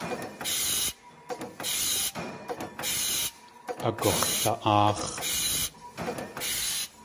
Agux̲la.áax̲.